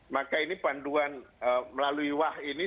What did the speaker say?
maka ini panduan melalui wah ini